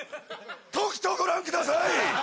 とくとご覧ください！